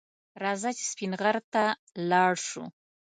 رځه چې سپین غر ته لاړ شو